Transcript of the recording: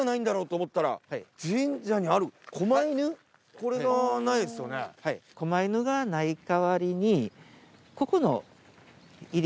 こま犬がない代わりに。